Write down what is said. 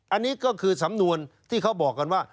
อันนี้ก็คือสำนวนที่เขาบอกกันว่า